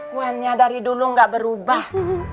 lakuannya dari dulu gak berubah